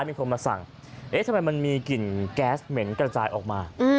มีคนมาสั่งเอ๊ะทำไมมันมีกลิ่นแก๊สเหม็นกระจายออกมา